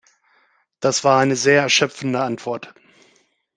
Das war eine sehr erschöpfende Antwort.